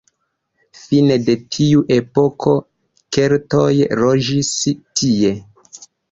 Fine de tiu epoko keltoj loĝis tie.